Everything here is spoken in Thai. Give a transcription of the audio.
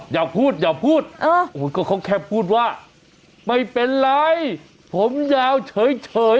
อย่าพูดอย่าพูดก็เขาแค่พูดว่าไม่เป็นไรผมยาวเฉย